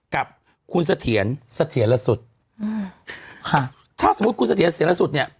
กับคุณเสถียรเสถียรสุดอืมค่ะถ้าสมมุติคุณเสถียรเถียรสุดเนี่ย